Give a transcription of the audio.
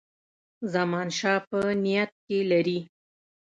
زمانشاه په نیت کې لري.